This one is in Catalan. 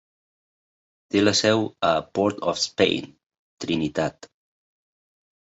Té la seu a Port-of-Spain, Trinitat.